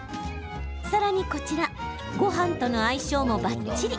さらに、こちらごはんとの相性もばっちり。